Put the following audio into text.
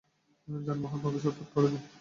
যানবাহন প্রবেশের পথ করে দিন।